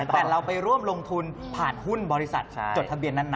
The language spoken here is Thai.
แต่เราไปร่วมลงทุนผ่านหุ้นบริษัทจดทะเบียนนั้น